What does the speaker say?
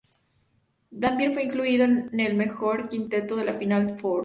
Dampier fue incluido en el mejor quinteto de la Final Four.